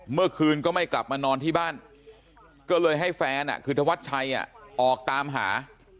เมื่อคืนก็ไม่กลับมานอนที่บ้านก็เลยให้แฟนคือธวัดชัยออกตามหา